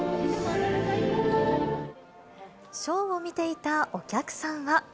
ショーを見ていたお客さんは。